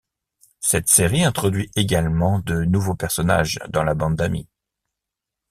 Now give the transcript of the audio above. Cette série introduit également de nouveaux personnages dans la bande d'amis.